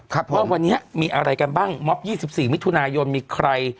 ครับผมว่าวันนี้ฮะมีอะไรกันบ้างม็อบยี่สิบสี่มิตรถุนายนมีใคร